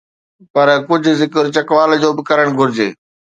پر ڪجهه ذڪر چکوال جو به ڪرڻ گهرجي.